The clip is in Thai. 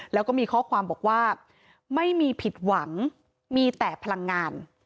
แล้วก็มีข้อความบอกว่าไม่มีผิดหวังมีแต่พลังงาน